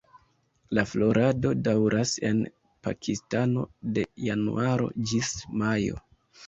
La florado daŭras en Pakistano de januaro ĝis majo.